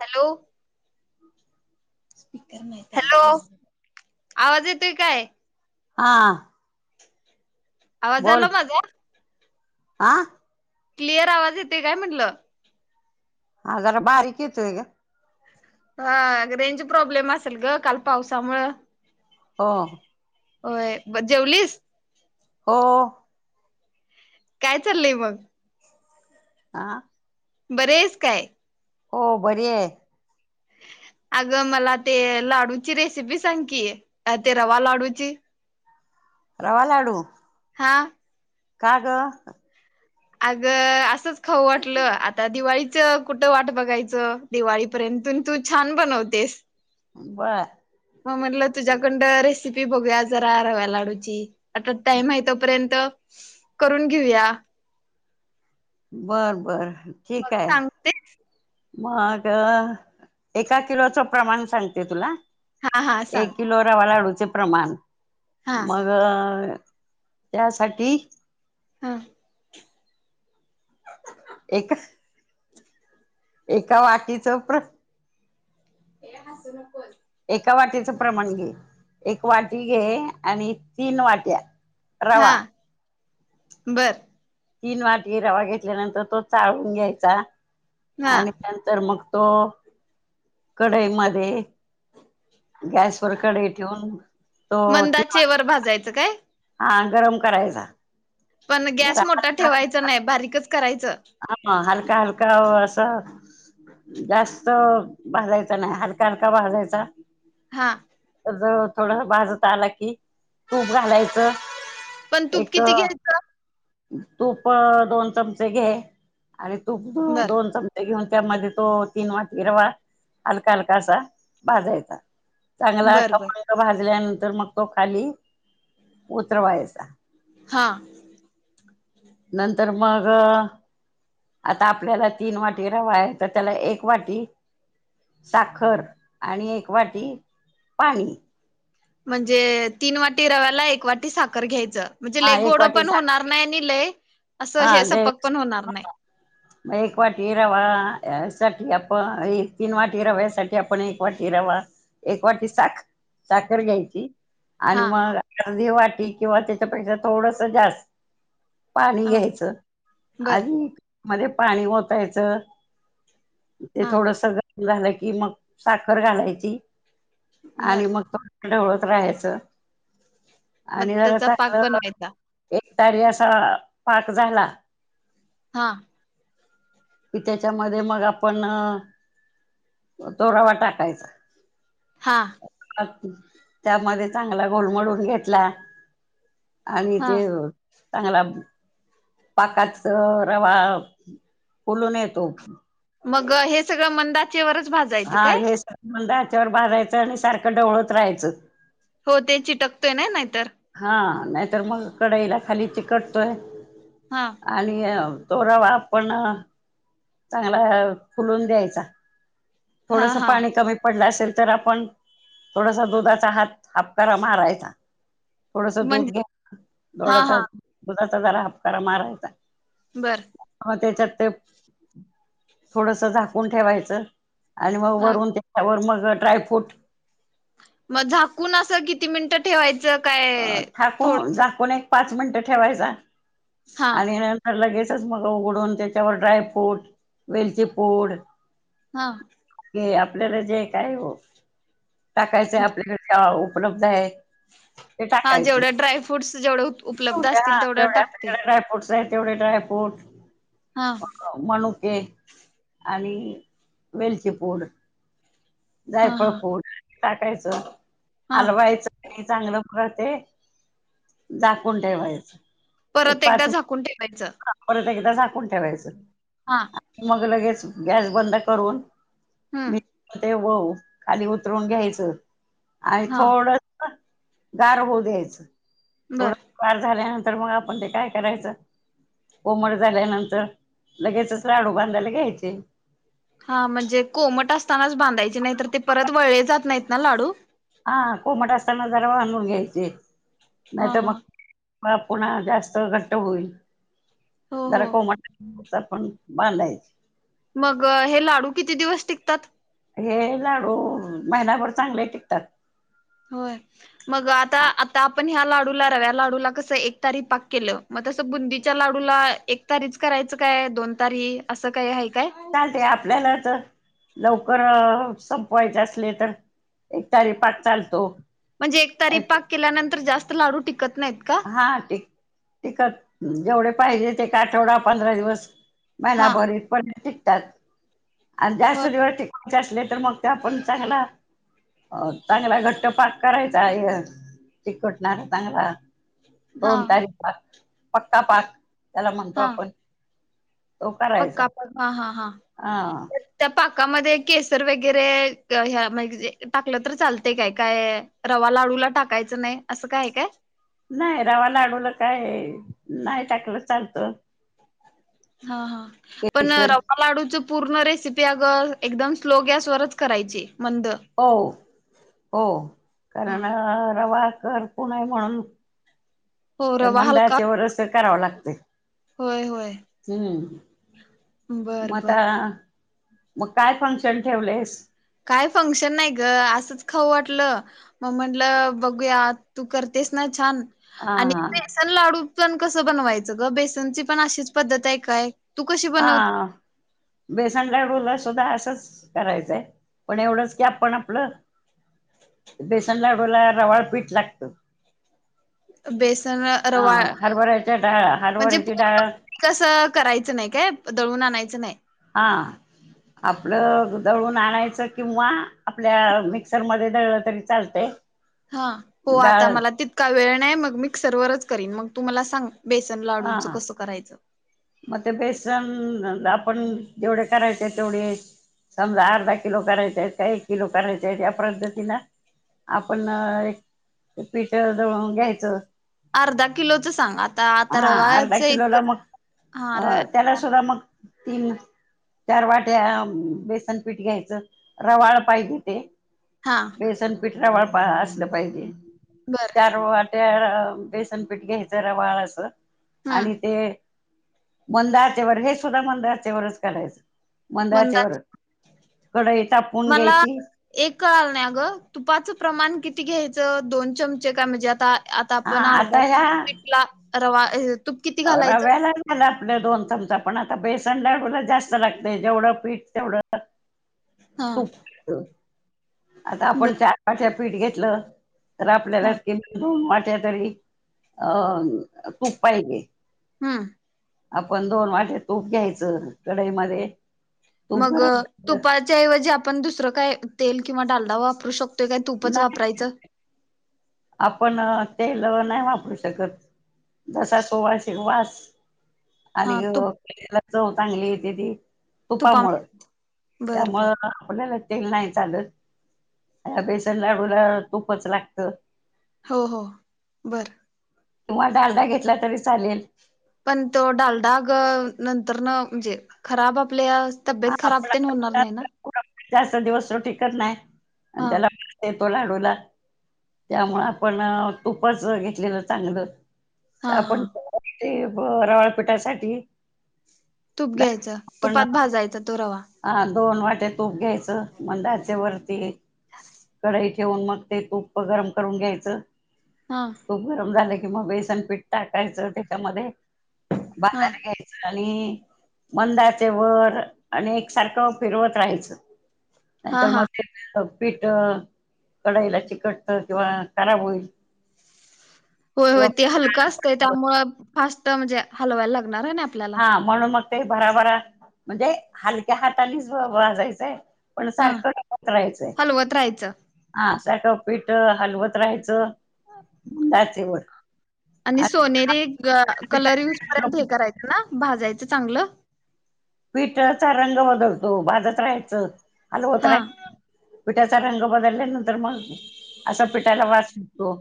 Hello. फिकर नाही त्यांला कन्ही ते काय हा. आवाज आला माझा आ. क्लिअर आवाज येतोय काय म्हटलं? हा जरा बारीक येतोय गं. हा रेंज प्रॉब्लेम असेल गं काल पावसामुळ हो. होय जेवलीस. हो. काय चाललय मग. आा - - बरी आहेस काय? हो बरी हाय. अगं मला ते लाडूची रेसिपी सांग की ते रवा लाडूची. रवा लाडू. हा. का गं? अग असंच खव वाटलं आता दिवाळी कुठं वाट बघायचं दिवाळीपर्यंतून तू छान बनवतेस. बर मग म्हटलं तुझ्याकंड रेसिपी ती बघूया जरा रवा लाडूची. आता टाइम आहे तोपर्यंत करून घेऊया. बरं. बरं. मघ सांगतेस. मग एका किलोचं प्रमाण सांगते तुला. हा हा सांग एक किलो रवा लाडू च प्रमाण हा मग त्यासाठी हा. एक एका वाटीचं प्र एका वाटीचं प्रमाण घे. एक वाटी घे आणि तीन वाट्या, हा रवा बर. तीन वाटी रवा घेतल्यानंतर तो चाळून घ्यायचा हा आणि नंतर मग तो कढई मध्ये गॅसवर मंदाचेवर भाजायचं काय? हां गरम करायचा. पण जरा गॅस मोठा हलका हलका ठेवायचा नाय बारीकचं करायचं. ते हलका व असा जास्त भाजायचा नाही हलका हलका भाजायचा हां. जळा थोडंसं भाजत आला की तूप घालायचं. पण तूप एक किती घायचं? तूप दोन चमचे घे. आणि तूप बर दोन-दोन चमचे घेऊन त्यामध्ये तो तीन वाटी रवा हलका हलकासा भाजायचा. चांगला बर बर खमंग भाजल्यान तर मग तो खाली उतरवायचा. हां. नंतर मंग-अ आता आपल्याला तीन वाटी रवा आहे, तर त्याला एक वाटी साखर आणि एक वाटी पाणी म्हणजें तीन वाटी रव्याला एक वाटी साखर घ्यायचं. म्हणजे लय हा एक गोडं वाटी पण साखर होणार नाही नि लय असं हे हा सपक पण होणार नाही मग एक वाटी रवा या साठी आपण एक तीन वाटी रव्यासाठी आपण एक वाटी रवा, एक वाटी साख- साखर घ्यायची. आणि हा मग [inaudible] आर्धी वाटी किंवा त्याच्यापेक्षा थोडसं जास्त फुल्ल हा घ्यायचं बर आधी मध्ये पाणी ओतायचं ते हा थोडस ग - - झाला की मंग साखर घालायची. आणि बर मग प - - ढवळत राह्याचं. मग तेचा पाक बनवायचा. एक तारी असा पाक झाला- - हां. कि तेच्यामध्ये मग आपण - - तो रवा टाकायचा. हां. त्यामध्ये चांगला घोलमडून घेतला. आणि हा ते- - चांगला पाकाच रवा फुलून येतो. मग हे सगळं मंद आचे- - हा हे स मंद आचे चेवर भाजायचं आणि सारखं ढवळत राहायचं. हो. ते चिटकतय नाय नाहीतर. हा नाहीतर मग कडाईला खाली चिकटतोय. हा आणि अ तो रवा आपण चांगला फुलून द्यायचा. हा थोडस हा पाणी कमी पडलं असल तर तर आपण थोडासा दुधाचा हात हापकारा मारायचा. थोडस दूध म्हणजे घ्या हा थोड्याशा हा दुधात जरा हापकारा मारायचा. बरं. मग त्याच्यात ते थोडस झाकून ठेवायचं. आणि मग हा वरून त्याच्यावर मग - - ड्राय फ्रूट. मग झाकून अस किती मिनटं ठेवायचं? अ काय ठाकून थोडस जाकून एक पाच मिनिटं ठेवायचा. हा आणि नंतर लगेच तस मग उघडून त्याच्यावर ड्राय फ्रूट वेलची पूड - - हा. आपल्याला जे काय ओ टाकायचंय आपल्याकडंन ओ उपलब्ध आहेत. हा जेवढ्या ड्राय फ्रूट्स जेवढे उप उपलब्ध असतील तेवढं टाकते. आहे तेवढे ड्रायफ्रूट हा मणुक हे आणि वेलची पूड हा जायफळ हा पूड टाकायचं हा हलवायचं. ते चांगलं उकळतय जाकून ठेवायचं. एक परत एकदा पाच मिनिट झाकून ठेवायचं. परत एकदा झाकून ठे ठेवायचं. हा आणि मग लगेच गॅस बंद करून मी हम्म. ते वव खाली उतरून घ्यायचं. आणि हा थोडंस गार होऊ द्यायचं. बर गार झाल्या नं तर मग आपण ते काय करायचं, कोमट झाल्यानंतर लगेचच लाडू बांधायला घ्यायचे. हा म्हणजे कोमट असतानाच बांधायचे नाही, तर ते परत वळले जात नाहीत ना लाडू? हा कोमट असताना जरा बांधून घ्यायचे. हा, नाही तर मग हा. पुन्हा जास्त घट्ट होईल. हो हो जरा कोमट चल आपण बांधायची. मग हे लाडू किती दिवस टिकतात? हे लाडू महिनाभर चांगले टिकतात. होय. लाडू रव्या लाडूला कस एक तारी पाक केलं, मग तसं बुंदीच्या लाडूला एक तारीच करायचं काय दोन तारी असं काय आहे? काय? चालते आपल्याला तर लवकर संपवायचे असले, तर एक तारी पाक चालतो. म्हणजे एक तारी पाक केल्यानंतर जास्त लाडू टिकत नाहीत का? हा. ते टीकतात जेवढे पाहिजे ते एक आठवडा पंधरा दिवस मला हा भरीत [unintelligible] त्यात आणि जास्त होय दिवस टिकव असले तर मग ते आपण चांगला, अ चांगला घट्ट पाक करायचा चिकटणारा चांगला. हा दोन तारी पाक पक्का पाक त्याला म्हणतो हा आपण तो करायचा पक्का प हा, हा, हा. हा त्या पा पाकामध्ये केसर वगैरे या हा म्हणजे टाकलं तर चालतंय काय? काय रवा लाडूला टाकायचं नाही असं काय हाय काय? नाही रवा लाडूला काय नाही टाकलं चालत. हा, हा. पण केशर रवा लाडूच पूर्ण रेसिपी अगं एकदम स्लो गॅसवररच करायची. मंद हो हो. हा करण रवा करपू नये म्हणून हो रवा मंद हलका अचेवर असं कराव लागतंय. होय, होय. बर, मग बर. आता मग काय फंक्शन ठेवलेस? काय फंक्शन नाही ग असंच खाऊ वाटलं, मग म्हटलं बघूया तू करतेस ना छान. हा आणि बेसन लाडू पण कसं बनवायचं ग? बेसनची पण अशीच पद्धत आहे काय? तू कशी हा बनव बेसन लाडूला सुद्धा असंच करायचं हाय, पण एवढंच की आपण आपलं बेसन लाडूला रवाळ पीठ लागतं. बेस हा हरभऱ्याच्या डाळ, म्हणजे हरभऱ्याची पूर्ण डाळ कसं करायचं नाही काय, दळून आणायचं नाही? हा, आपलं दळून आणायचं किंवा आपल्या मिक्सरमध्ये दळलं तरी चालतंय. हा, हो आता डाळ मला तितका वेळ नाही मग मी मिक्सवरच करीन मग तू मला सांग. बेसन हा, लाडूचं कसं करायचं मग ते बेसनला आपण जेवढे करायचे आहेत तेवढे समजा अर्धा किलो करायचे आहेत काय एक किलो करायचे आहेत. या पद्धतीन आपण एक पिठ दळून घ्यायचं. अर्धा किलोचं सांग आ- - हा अर्धा किलोला मग हा अ रवा त्याला सुद्धा मग तीन चार -वाट्या बेसन पीठ घ्यायचं. रवाळ पायजे ते - हा - बेसन पिठरावर पा असलं पाहिजे. बर चार वा - - त्या बेसनपीठ घ्यायचा र वाळ अस - - स हम्म आणि ते - - मंद अचेवर हे सुद्धा मंद अचेवर करायचं. मंद आचेवर कढई तापवून मला घ्यायची एक कळाल नाही ग तुपाचं प्रमाण किती? ति घ्यायचं दोन चमचे काय म्हणजे आता आता हा आपण अर्धा आता किलो ह्या पीठला रवा तूप किती घालायचं? कलं दोन चमचा पण आता बेसनला एवढं जास्त लागतय जेवढं पीठ तेवढं - हा - तूप. आता आपण बर चार - पाच फीठ घेतलं. तर आपल्याला हा [unintelligible] दोन वाट - - तरी अ तूप पाहिजे. हम. आपण दोन वाटे तूप घ्यायचं. कढाई मध्ये - - मग तुपाच्याऐवजी आपण दुसरं काय? तेल किंवा डालडा वापरू शकोतो- - तर काय तूपच नाही वापरायचं? आपण तेल नाही वापरू शकत. जसा सुवासिक वास आणि हा तुप [inaudible] चव चांगली येते ती- - तुपा तुपामुळे बर बर त्यामूळ आपल्याला तेल नाही चालत ह बेसन लाडूला तूपच लागत. हो हो बर. किंवा डालडा घेतला तरी चालेल. पण तो डालडाग नंतर न म्हणजे खराब आपल्या हा तब्येत खराब आपण तर होणार आपल्या नाही ना? जास्त दिवस तो टिकत नाही. हा अनितेला तेल तो लाडूला त्यामुळं आपण तुपाचा घेतलेलं चांगलं. हा हा आपण ते ब रवाळपीटासाठी तूप घ्यायचं तुपात भा जायचा तो रवा. हा दोन वाट्या तूप घ्या चा, मंद आचेवरती कढईत ठेऊन मग ते तूप गरम करून घ्यायचा. हा खूप गरम झाले की किंवा बेसन पीठ टाकायचा त्याच्यामध्ये हा बाजार घ्यायचा. आणि मंद आचेवर अ आणि एकसारखं फिरवत राहायचं. नाही हा तर मग हा ते. [unintelligible] पीठ अ कढाईला चिकटत किंवा खराब होईल. किंवा होय-होय ते पीठ हलका काढलं असतय पडतं. त्यामुळे फास्ट म्हणजे हलवायला लाग णार आहे ना आपल्याला हा म्हणून मग ते भराभरा म्हणजे हाल त्या हातानेच वाजायचंय पण हा सारखं [unintelligible] राहायचंय हलवत राहायचं आ [unintelligible] पीठ हलवत राहायचं. डाचेवर आणि सोनेरी ग कलर युज पर्यंत हे करायचं ना भाजाय चे चांगलं. पीठचा रंग बदलतो भाजत रहायचं. आल हा होतराय पिठाचा रंग बदलल्यानंतर मग असा पिठाला वास येतो.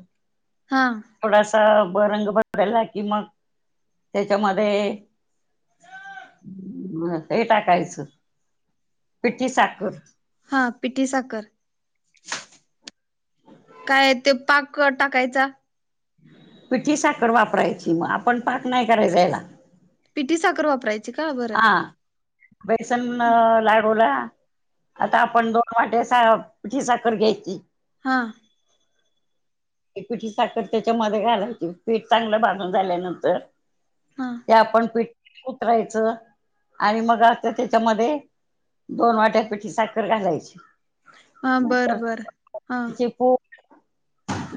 हा. त ब रंग बदलला की मग त्याच्यामध्ये म ते टाकायचं पिठी साखर ह पिठी साखर काय ते पाकं टाकायचा. पिठी साखर वापरायची म आपण पाक नाही करायचा ह्याला. ठी साखर वापराय आ बेसन अ लाडूला आता आपण दोन वाट्या सा पीठी साखर घ्यायची हा ए पीठी साखर त्याच्या मधे घालायची पीठ चांगलं भाजून झाल्यानंतर हा त्या आपण पिठ उतरायच आळी मग आता त्याच्यामध्ये दोन वाट्या पीठी साखर घालायची [unintelligible] हा बर, बर हा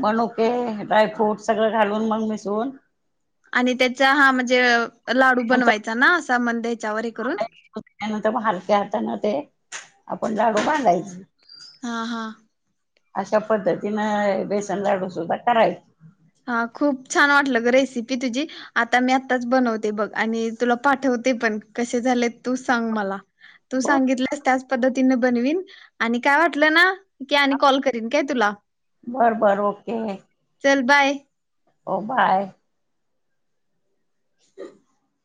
मनूके ड्रायफ्रूट सगळं घालून मंग मिसळून आणि त्याच्या हा म्हणजे अ लाडू बनवायचा ना? आस तामणदैत अनं तब हलक्या हातानं ते आपण लाडू बांधायच हा, हा अशा पद्धतीनं बेसन लाडू सुद्धा करायच हा खूप छान वाटलं ग रेसिपी तुझी आता मी आताच बनवते बघ आणि तुला पाठवते पण कसे झाले तू सांग मला तू बर सांगितल्यास त्याच पद्ध तीन बनवीन आणि काय वाटलं ना की आणि कॉल करीन काय तुला बरं बरं ओके चल बाय हो बाय [inaudible]